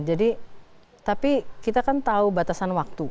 jadi tapi kita kan tahu batasan waktu